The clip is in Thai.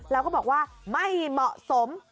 แล้วก็บอกว่าไม่เหมาะสม